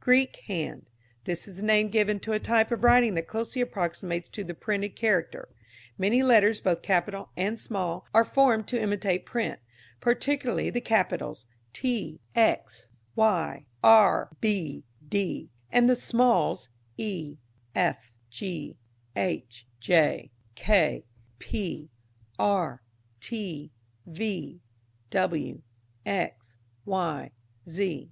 Greek Hand. This is the name given to a type of writing that closely approximates to the printed character. Many letters, both capital and small, are formed to imitate print, particularly the capitals T, X, Y, R, B, D, and the smalls e, f, g, h, j, k, p, r, t, v, w, x, y, z.